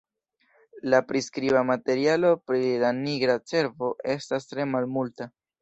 La priskriba materialo pri la nigra cervo estas tre malmulta.